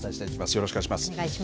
よろしくお願いします。